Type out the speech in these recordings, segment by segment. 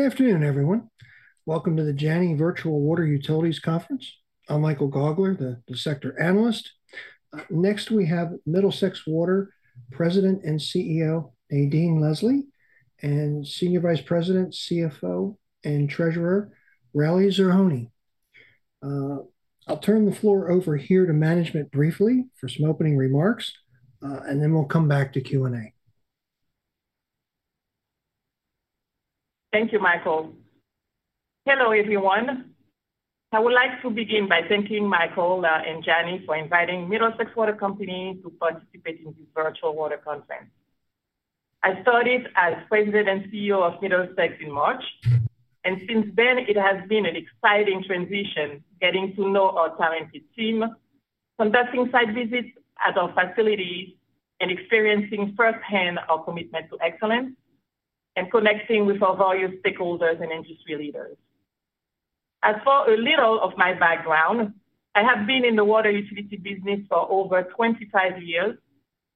Good afternoon, everyone. Welcome to the Janney Virtual Water Utilities Conference. I'm Michael Gaugler, the sector analyst. Next, we have Middlesex Water, President and CEO, Nadine Leslie, and Senior Vice President, CFO, and Treasurer, Rally Zerhouni. I'll turn the floor over here to management briefly for some opening remarks, and then we'll come back to Q&A. Thank you, Michael. Hello, everyone. I would like to begin by thanking Michael and Janney for inviting Middlesex Water Company to participate in this virtual water conference. I started as President and CEO of Middlesex in March, and since then, it has been an exciting transition, getting to know our talented team, conducting site visits at our facilities, and experiencing firsthand our commitment to excellence, and connecting with our valued stakeholders and industry leaders. As for a little of my background, I have been in the water utility business for over twenty-five years,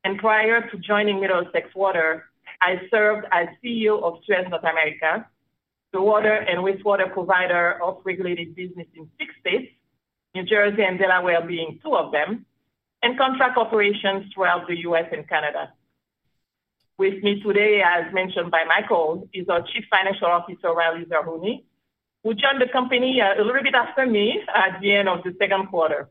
and prior to joining Middlesex Water, I served as CEO of Suez North America, the water and wastewater provider of regulated business in six states, New Jersey and Delaware being two of them, and contract operations throughout the US and Canada. With me today, as mentioned by Michael, is our Chief Financial Officer, Rally Zerhouni, who joined the company a little bit after me at the end of the Q2.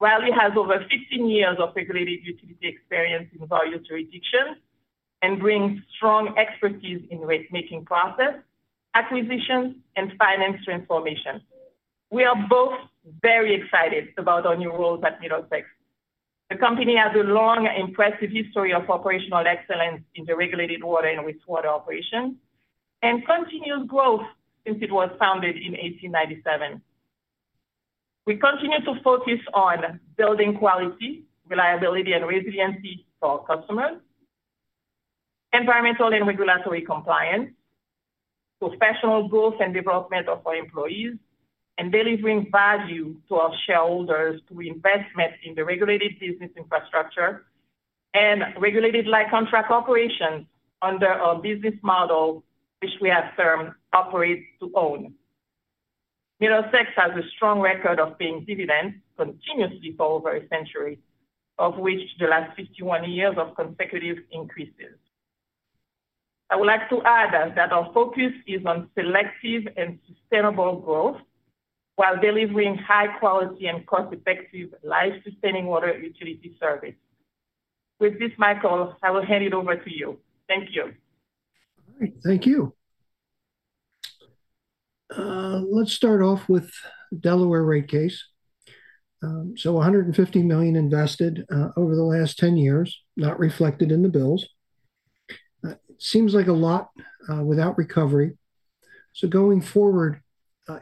Rally has over 15 years of regulated utility experience in various jurisdictions and brings strong expertise in rate-making process, acquisitions, and finance transformation. We are both very excited about our new roles at Middlesex. The company has a long and impressive history of operational excellence in the regulated water and wastewater operations, and continuous growth since it was founded in 1897. We continue to focus on building quality, reliability, and resiliency for our customers, environmental and regulatory compliance, to professional growth and development of our employees, and delivering value to our shareholders through investment in the regulated business infrastructure and regulated like contract operations under our business model, which we have termed Operate to Own. Middlesex has a strong record of paying dividends continuously for over a century, of which the last 51 years of consecutive increases. I would like to add that our focus is on selective and sustainable growth while delivering high quality and cost-effective life-sustaining water utility service. With this, Michael, I will hand it over to you. Thank you. All right. Thank you. Let's start off with Delaware rate case. So $150 million invested over the last 10 years, not reflected in the bills. Seems like a lot without recovery. So going forward,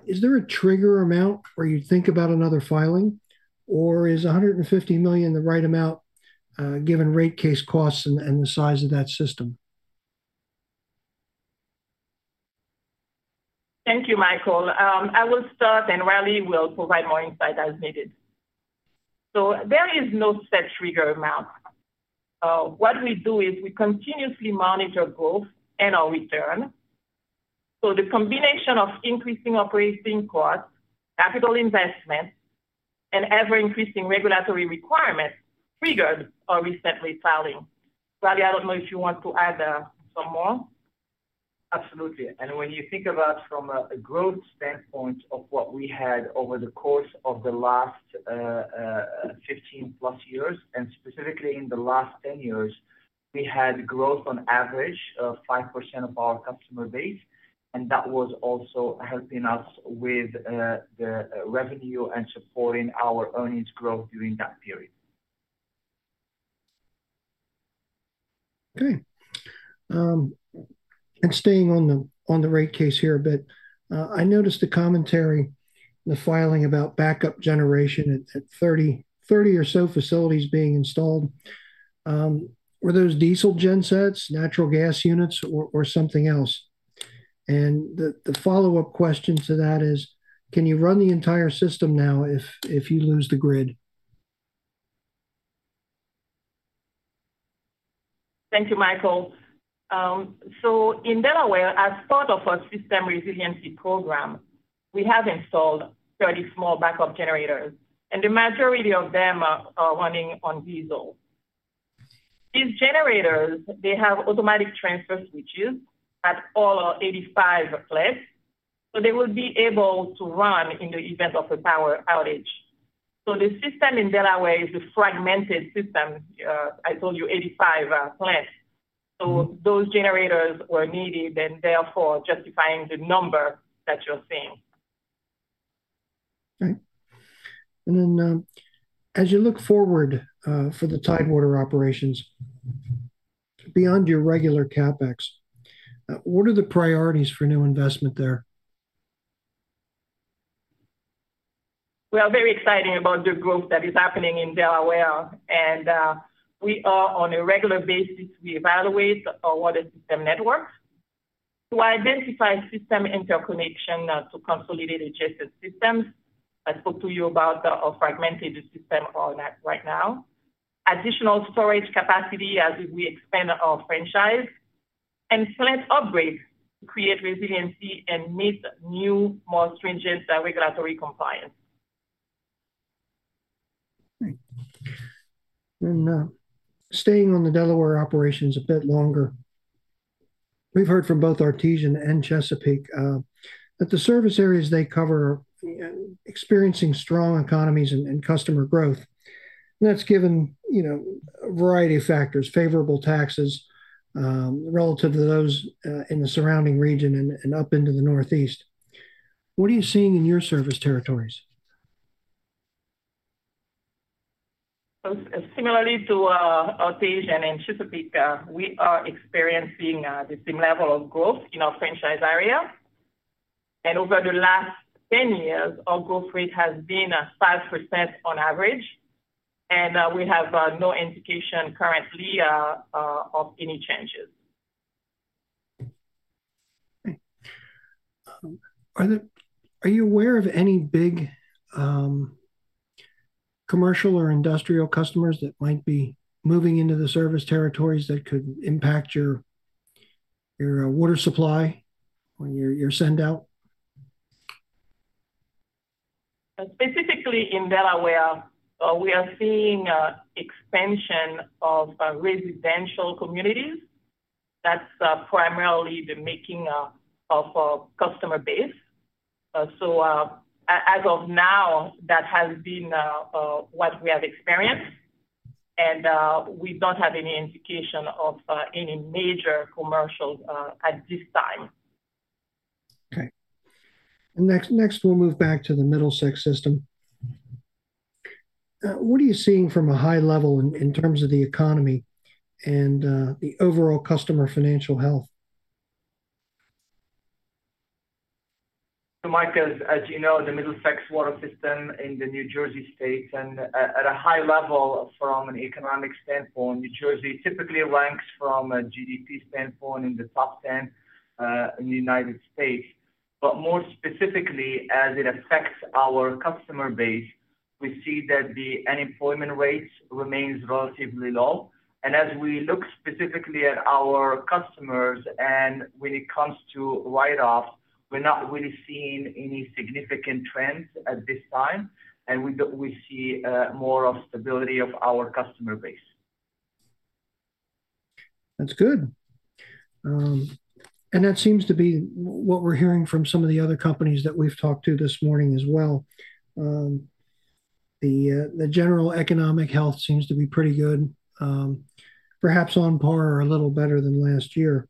is there a trigger amount where you'd think about another filing, or is $150 million the right amount, given rate case costs and the size of that system? Thank you, Michael. I will start, and Rally will provide more insight as needed, so there is no set trigger amount. What we do is we continuously monitor growth and our return, so the combination of increasing operating costs, capital investment, and ever-increasing regulatory requirements triggered our recent rate filing. Rally, I don't know if you want to add some more? Absolutely. And when you think about from a growth standpoint of what we had over the course of the last 15 plus years, and specifically in the last 10 years, we had growth on average of 5% of our customer base, and that was also helping us with the revenue and supporting our earnings growth during that period. Okay. And staying on the rate case here a bit. I noticed a commentary in the filing about backup generation at 30 or so facilities being installed. Were those diesel gen sets, natural gas units, or something else? And the follow-up question to that is, can you run the entire system now if you lose the grid? Thank you, Michael. So in Delaware, as part of our system resiliency program, we have installed 30 small backup generators, and the majority of them are running on diesel. These generators, they have automatic transfer switches at all our 85 plus, so they will be able to run in the event of a power outage. So the system in Delaware is a fragmented system. I told you 85 plus. So those generators were needed and therefore justifying the number that you're seeing. Right. And then, as you look forward, for the Tidewater operations, beyond your regular CapEx, what are the priorities for new investment there? We are very excited about the growth that is happening in Delaware, and we are on a regular basis we evaluate our water system network to identify system interconnection to consolidate adjacent systems. I spoke to you about the fragmented system on that right now, additional storage capacity as we expand our franchise, and select upgrades to create resiliency and meet new, more stringent regulatory compliance. Thank you. And, staying on the Delaware operations a bit longer, we've heard from both Artesian and Chesapeake, that the service areas they cover are experiencing strong economies and customer growth. That's given, you know, a variety of factors, favorable taxes, relative to those, in the surrounding region and up into the Northeast. What are you seeing in your service territories? Similarly to Artesian and Chesapeake, we are experiencing the same level of growth in our franchise area. Over the last 10 years, our growth rate has been at 5% on average, and we have no indication currently of any changes. Okay. Are you aware of any big commercial or industrial customers that might be moving into the service territories that could impact your water supply or your send out? Specifically in Delaware, we are seeing expansion of residential communities. That's primarily the making of our customer base. So, as of now, that has been what we have experienced, and we don't have any indication of any major commercials at this time. Okay. Next, we'll move back to the Middlesex system. What are you seeing from a high level in terms of the economy and the overall customer financial health? Mike, as you know, the Middlesex Water system in the New Jersey State, and at a high level, from an economic standpoint, New Jersey typically ranks from a GDP standpoint in the top ten in the US. But more specifically, as it affects our customer base, we see that the unemployment rate remains relatively low. And as we look specifically at our customers and when it comes to write-offs, we're not really seeing any significant trends at this time, and we see more of stability of our customer base. That's good, and that seems to be what we're hearing from some of the other companies that we've talked to this morning as well. The general economic health seems to be pretty good, perhaps on par or a little better than last year,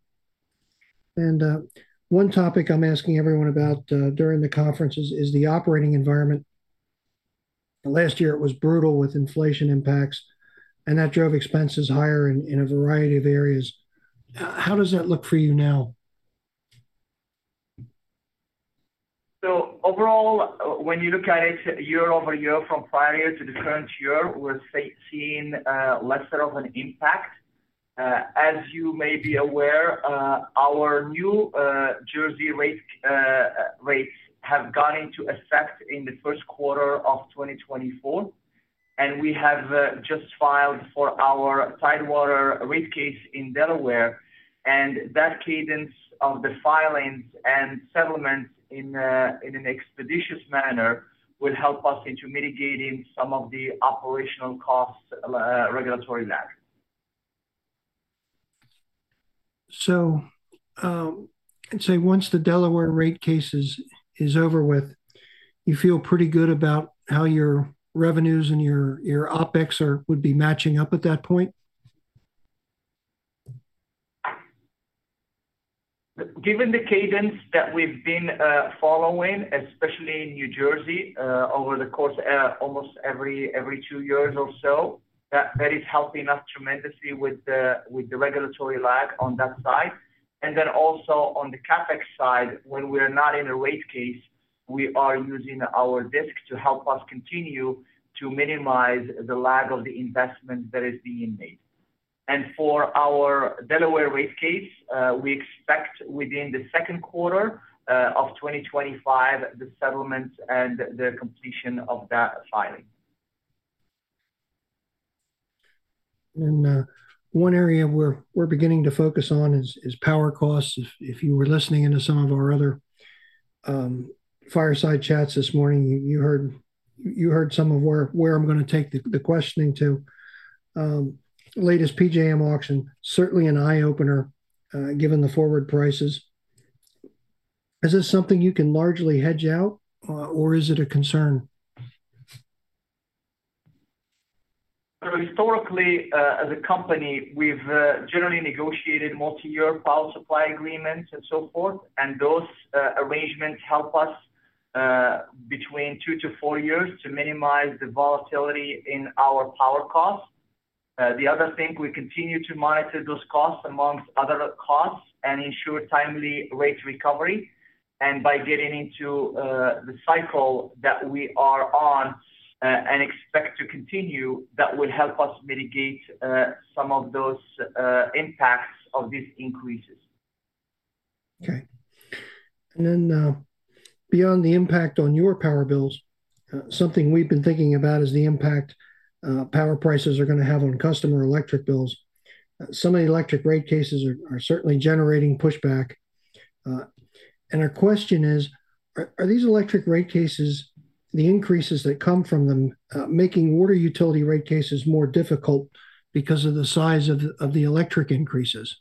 and one topic I'm asking everyone about during the conference is the operating environment. Last year, it was brutal with inflation impacts, and that drove expenses higher in a variety of areas. How does that look for you now? So overall, when you look at it year over year, from prior year to the current year, we're seeing lesser of an impact. As you may be aware, our New Jersey rates have gone into effect in the Q1 of 2024, and we have just filed for our Tidewater rate case in Delaware, and that cadence of the filings and settlements in an expeditious manner will help us into mitigating some of the operational costs, regulatory lag. I'd say once the Delaware rate cases is over with, you feel pretty good about how your revenues and your OpEx would be matching up at that point? Given the cadence that we've been following, especially in New Jersey, over the course of almost every two years or so, that is helping us tremendously with the regulatory lag on that side. And then also on the CapEx side, when we're not in a rate case, we are using our DSIC to help us continue to minimize the lag of the investment that is being made. And for our Delaware rate case, we expect within the Q2 of 2025, the settlement and the completion of that filing. One area where we're beginning to focus on is power costs. If you were listening into some of our other fireside chats this morning, you heard some of where I'm going to take the questioning to. Latest PJM auction, certainly an eye-opener, given the forward prices. Is this something you can largely hedge out, or is it a concern? Historically, as a company, we've generally negotiated multi-year power supply agreements and so forth, and those arrangements help us between two to four years to minimize the volatility in our power costs. The other thing, we continue to monitor those costs among other costs and ensure timely rate recovery, and by getting into the cycle that we are on and expect to continue, that will help us mitigate some of those impacts of these increases. And then, beyond the impact on your power bills, something we've been thinking about is the impact power prices are gonna have on customer electric bills. Some of the electric rate cases are certainly generating pushback. Our question is, are these electric rate cases, the increases that come from them, making water utility rate cases more difficult because of the size of the electric increases?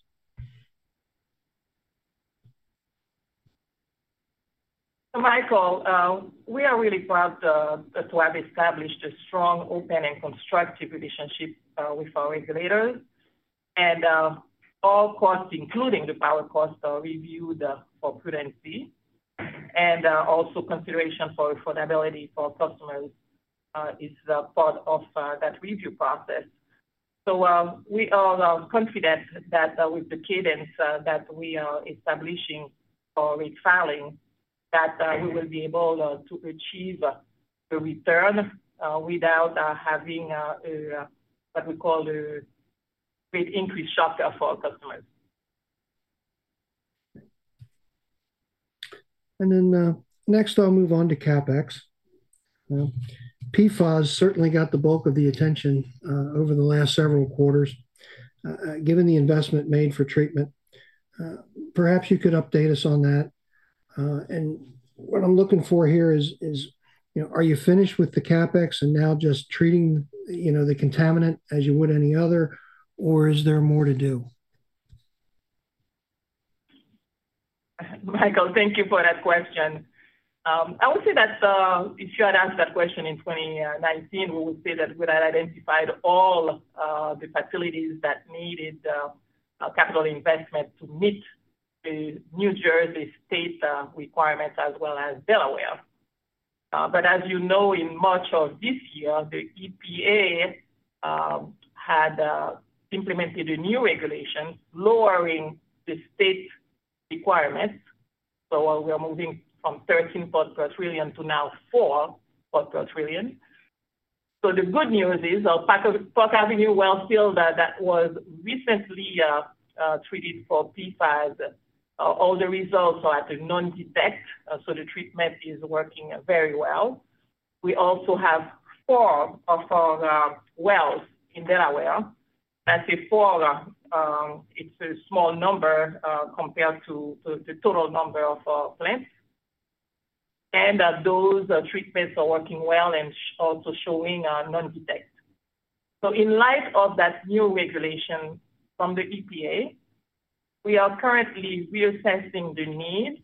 So, Michael, we are really proud to have established a strong, open, and constructive relationship with our regulators. And, all costs, including the power costs, are reviewed for prudency, and also consideration for affordability for customers is a part of that review process. So, we are confident that with the cadence that we are establishing for refiling, that we will be able to achieve the return without having a what we call a rate increase shocker for our customers. And then, next, I'll move on to CapEx. PFAS certainly got the bulk of the attention over the last several quarters, given the investment made for treatment. Perhaps you could update us on that. And what I'm looking for here is, you know, are you finished with the CapEx and now just treating, you know, the contaminant as you would any other, or is there more to do? Michael, thank you for that question. I would say that, if you had asked that question in 2019, we would say that we had identified all, the facilities that needed, a capital investment to meet the New Jersey state, requirements as well as Delaware. But as you know, in March of this year, the EPA, had, implemented a new regulation lowering the state requirements. So while we are moving from thirteen parts per trillion to now four parts per trillion. So the good news is our Park Avenue Wellfield that was recently, treated for PFAS, all the results are at a non-detect, so the treatment is working very well. We also have four of our, wells in Delaware. That's a four, it's a small number, compared to the total number of plants. And those treatments are working well and also showing non-detect. So in light of that new regulation from the EPA, we are currently reassessing the need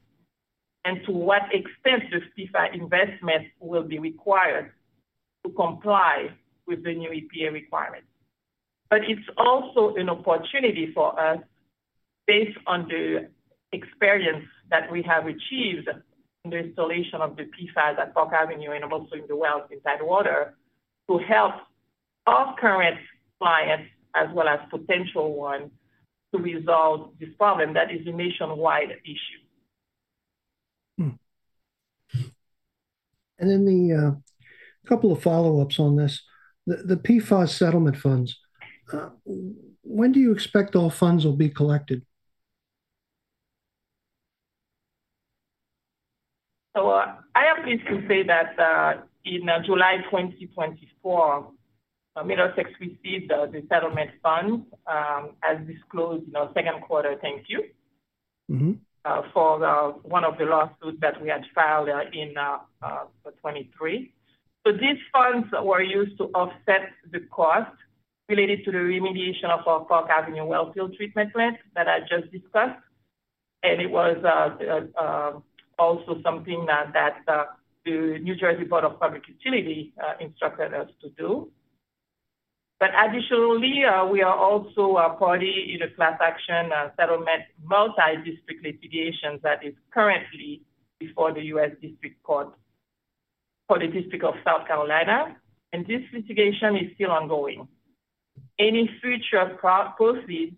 and to what extent the PFAS investment will be required to comply with the new EPA requirements. But it's also an opportunity for us, based on the experience that we have achieved in the installation of the PFAS at Park Avenue and also in the wells in Tidewater, to help our current clients as well as potential ones, to resolve this problem. That is a nationwide issue. Hmm. And then the couple of follow-ups on this. The PFAS settlement funds, when do you expect all funds will be collected? So I am pleased to say that, in July 2024, Middlesex received the settlement fund, as disclosed in our Q2 thank you- Mm-hmm... for the, one of the lawsuits that we had filed, in, 2023. So these funds were used to offset the cost related to the remediation of our Park Avenue wellfield treatment plant that I just discussed. And it was, also something that, the New Jersey Board of Public Utilities, instructed us to do. But additionally, we are also a party in a class action settlement multi-district litigation that is currently before the US District Court for the District of South Carolina, and this litigation is still ongoing. Any future proceeds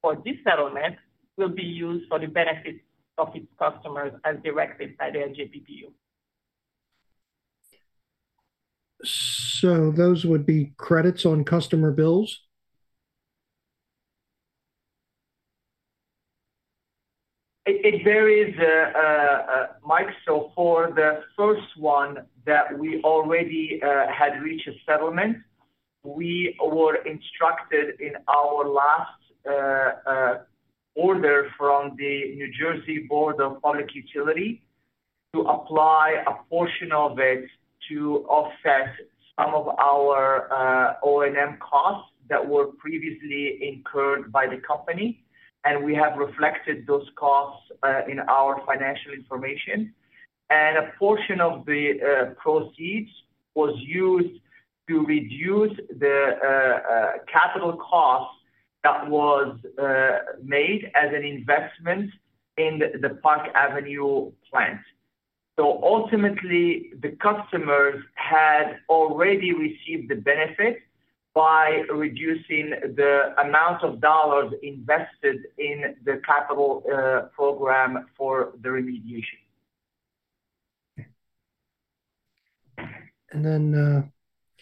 for this settlement will be used for the benefit of its customers as directed by the NJBPU. So those would be credits on customer bills? It varies, Mike. So for the first one that we already had reached a settlement, we were instructed in our last order from the New Jersey Board of Public Utilities to apply a portion of it to offset some of our O&M costs that were previously incurred by the company, and we have reflected those costs in our financial information. And a portion of the proceeds was used to reduce the capital costs that was made as an investment in the Park Avenue plant. So ultimately, the customers had already received the benefit by reducing the amount of dollars invested in the capital program for the remediation. And then,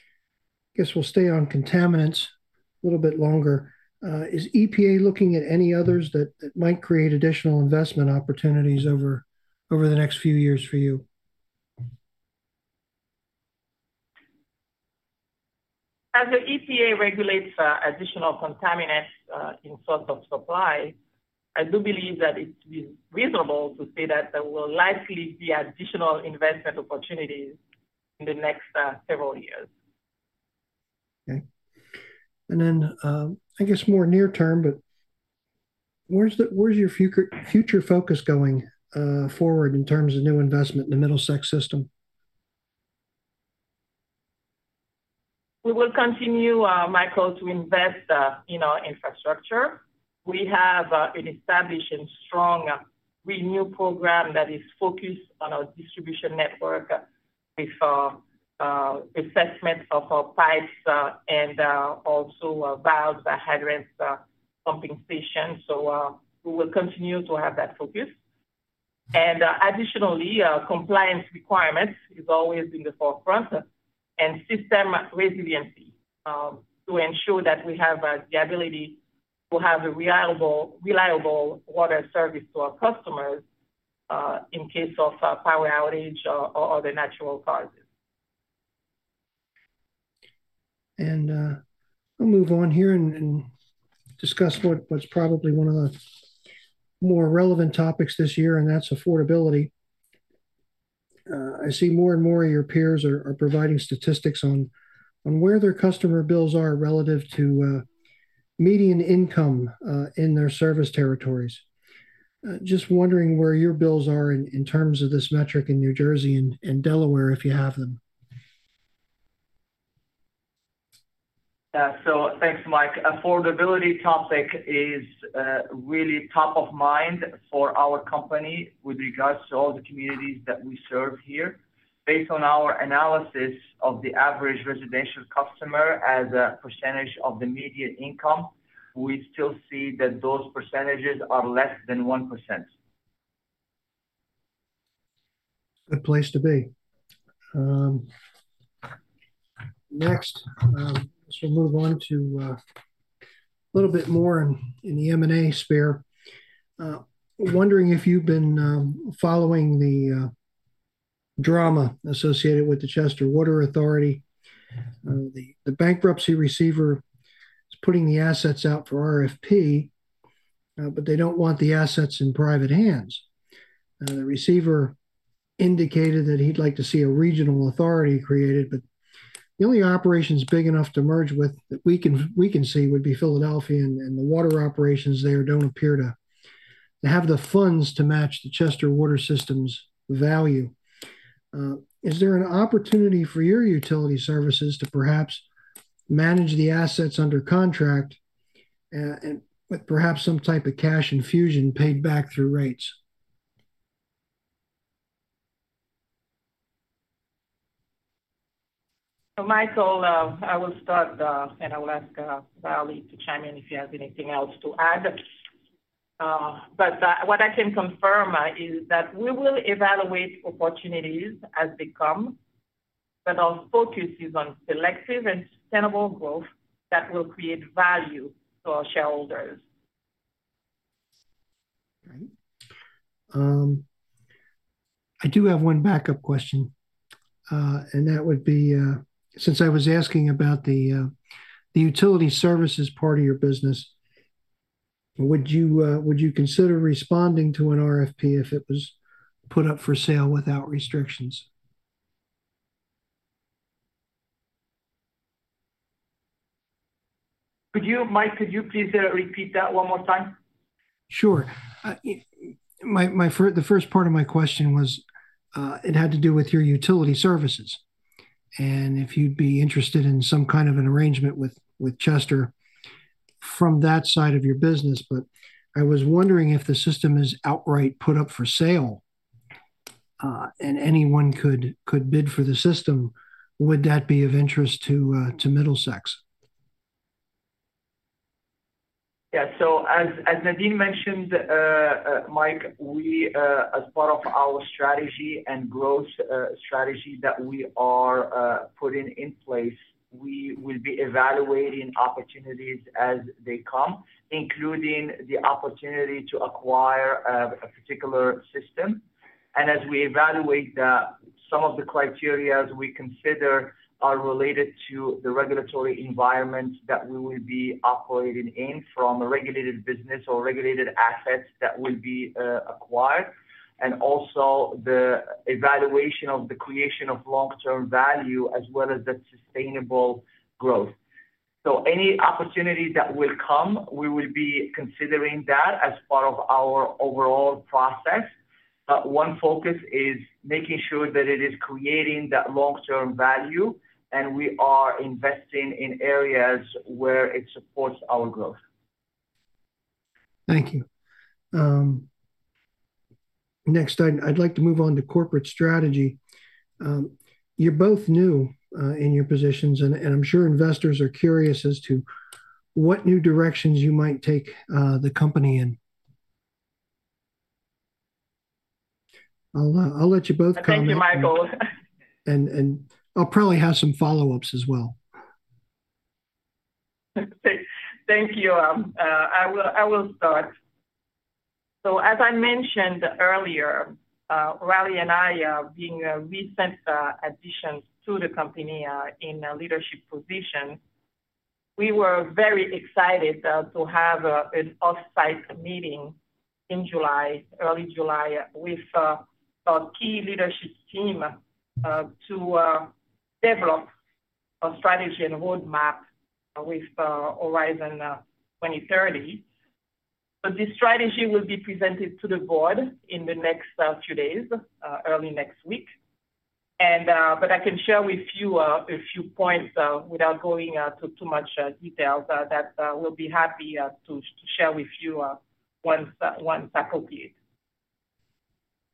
I guess we'll stay on contaminants a little bit longer. Is EPA looking at any others that might create additional investment opportunities over the next few years for you? As the EPA regulates additional contaminants in source of supply, I do believe that it's reasonable to say that there will likely be additional investment opportunities in the next several years. Okay. And then, I guess more near term, but where's your future focus going forward in terms of new investment in the Middlesex system? We will continue, Michael, to invest in our infrastructure. We have an established and strong RENEW program that is focused on our distribution network, with assessment of our pipes and also valves, hydrants, pumping station. So we will continue to have that focus. And additionally, compliance requirements is always in the forefront, and system resiliency to ensure that we have the ability to have a reliable, reliable water service to our customers in case of a power outage or other natural causes. We'll move on here and discuss what's probably one of the more relevant topics this year, and that's affordability. I see more and more of your peers are providing statistics on where their customer bills are relative to median income in their service territories. Just wondering where your bills are in terms of this metric in New Jersey and Delaware, if you have them. Thanks, Mike. Affordability topic is really top of mind for our company with regards to all the communities that we serve here. Based on our analysis of the average residential customer as a percentage of the median income, we still see that those percentages are less than 1%. Good place to be. Next, so we'll move on to a little bit more in the M&A sphere. Wondering if you've been following the drama associated with the Chester Water Authority. The bankruptcy receiver is putting the assets out for RFP, but they don't want the assets in private hands. The receiver indicated that he'd like to see a regional authority created, but the only operations big enough to merge with that we can see would be Philadelphia, and the water operations there don't appear to have the funds to match the Chester Water Authority's value. Is there an opportunity for your utility services to perhaps manage the assets under contract, and with perhaps some type of cash infusion paid back through rates? So Michael, I will start, and I'll ask Rally to chime in if he has anything else to add. But, what I can confirm is that we will evaluate opportunities as they come, but our focus is on selective and sustainable growth that will create value for our shareholders. Great. I do have one backup question, and that would be, since I was asking about the utility services part of your business, would you consider responding to an RFP if it was put up for sale without restrictions? Could you, Mike, please, repeat that one more time? Sure. The first part of my question was, it had to do with your utility services, and if you'd be interested in some kind of an arrangement with Chester from that side of your business. But I was wondering if the system is outright put up for sale, and anyone could bid for the system, would that be of interest to Middlesex? Yeah. As Nadine mentioned, Mike, as part of our strategy and growth strategy that we are putting in place, we will be evaluating opportunities as they come, including the opportunity to acquire a particular system. As we evaluate that, some of the criteria we consider are related to the regulatory environment that we will be operating in from a regulated business or regulated assets that will be acquired, and also the evaluation of the creation of long-term value, as well as the sustainable growth. Any opportunity that will come, we will be considering that as part of our overall process. One focus is making sure that it is creating that long-term value, and we are investing in areas where it supports our growth. Thank you. Next, I'd like to move on to corporate strategy. You're both new in your positions, and I'm sure investors are curious as to what new directions you might take the company in. I'll let you both comment. Thank you, Michael. I'll probably have some follow-ups as well. Thank you. I will start. So as I mentioned earlier, Rally and I, being recent additions to the company in a leadership position, we were very excited to have an off-site meeting in July, early July, with our key leadership team to develop a strategy and roadmap with Horizon 2030. But this strategy will be presented to the board in the next few days, early next week. I can share with you a few points without going into too much details that we'll be happy to share with you once approved.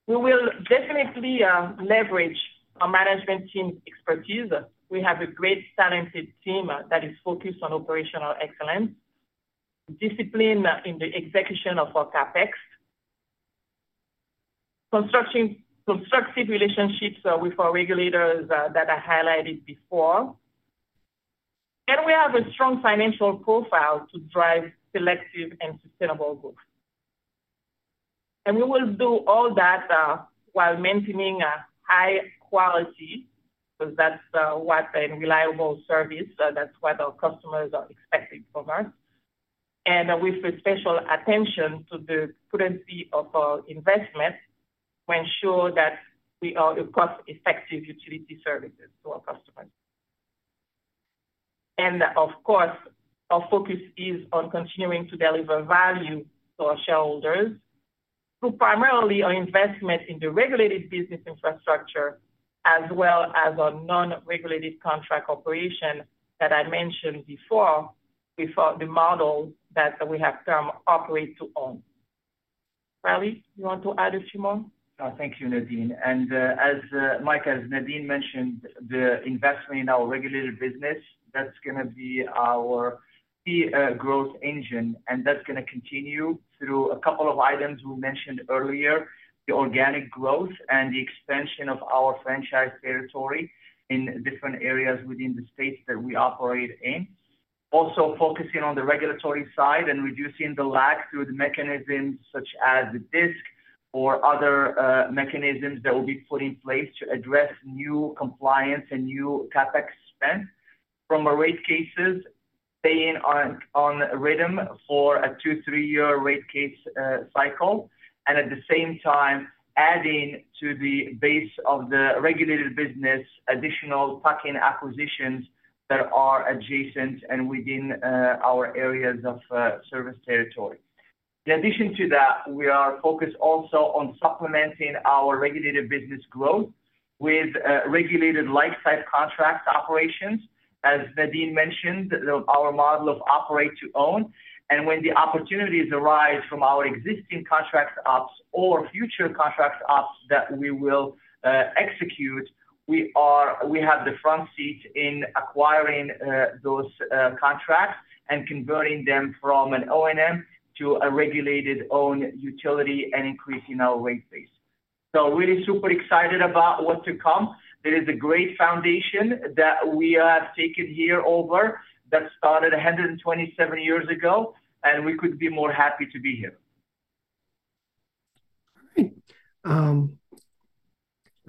We will definitely leverage our management team's expertise. We have a great, talented team that is focused on operational excellence, discipline in the execution of our CapEx, constructive relationships with our regulators that I highlighted before. And we have a strong financial profile to drive selective and sustainable growth. And we will do all that while maintaining a high quality, because that's what a reliable service, that's what our customers are expecting from us. And with a special attention to the prudence of our investment, to ensure that we are a cost-effective utility services to our customers. And of course, our focus is on continuing to deliver value to our shareholders, who primarily are investment in the regulated business infrastructure, as well as our non-regulated contract operation that I mentioned before, the model that we have term Operate to Own. Rally, you want to add a few more? Thank you, Nadine. And, as Mike, as Nadine mentioned, the investment in our regulated business, that's gonna be our key growth engine, and that's gonna continue through a couple of items we mentioned earlier: the organic growth and the expansion of our franchise territory in different areas within the states that we operate in. Also, focusing on the regulatory side and reducing the lag through the mechanisms such as DSIC or other mechanisms that will be put in place to address new compliance and new CapEx spend. From a rate cases, staying on rhythm for a two- to three-year rate case cycle, and at the same time, adding to the base of the regulated business, additional tuck-in acquisitions that are adjacent and within our areas of service territory. In addition to that, we are focused also on supplementing our regulated business growth with regulated like-sized contract operations. As Nadine mentioned, our model of operate to own, and when the opportunities arise from our existing contract ops or future contract ops that we will execute, we have the front seat in acquiring those contracts and converting them from an O&M to a regulated own utility and increasing our rate base. So really super excited about what to come. There is a great foundation that we have taken over here that started a hundred and twenty-seven years ago, and we couldn't be more happy to be here. Great.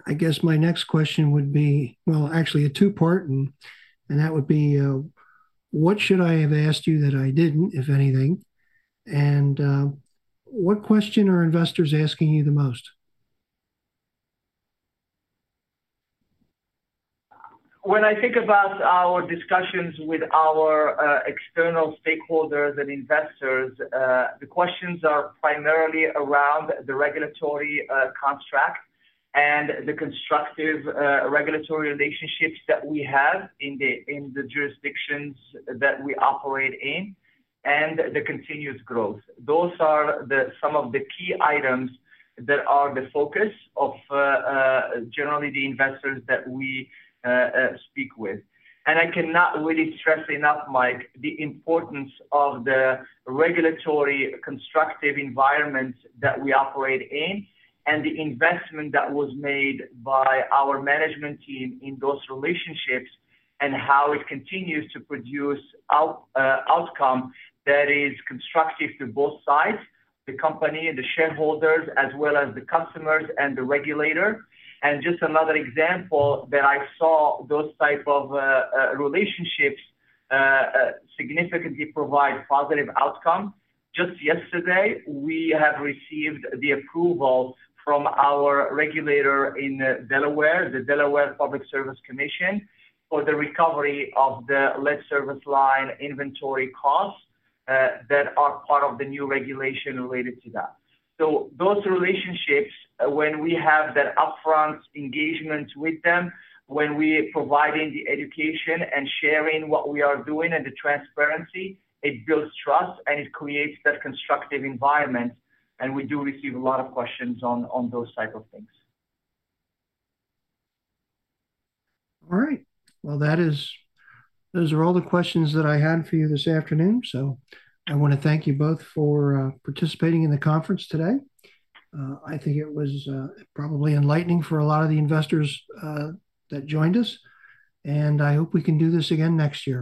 I guess my next question would be, well, actually a two-part, and that would be, what should I have asked you that I didn't, if anything? And, what question are investors asking you the most? When I think about our discussions with our external stakeholders and investors, the questions are primarily around the regulatory construct and the constructive regulatory relationships that we have in the jurisdictions that we operate in, and the continuous growth. Those are some of the key items that are the focus of generally the investors that we speak with. And I cannot really stress enough, Mike, the importance of the regulatory constructive environment that we operate in, and the investment that was made by our management team in those relationships, and how it continues to produce out outcome that is constructive to both sides, the company and the shareholders, as well as the customers and the regulator. And just another example that I saw those type of relationships significantly provide positive outcome. Just yesterday, we have received the approval from our regulator in Delaware, the Delaware Public Service Commission, for the recovery of the lead service line inventory costs that are part of the new regulation related to that. So those relationships, when we have that upfront engagement with them, when we providing the education and sharing what we are doing and the transparency, it builds trust and it creates that constructive environment, and we do receive a lot of questions on those type of things. All right, well, those are all the questions that I had for you this afternoon. So I want to thank you both for participating in the conference today. I think it was probably enlightening for a lot of the investors that joined us, and I hope we can do this again next year.